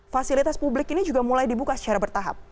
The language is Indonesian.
fasilitas publik ini juga mulai dibuka secara bertahap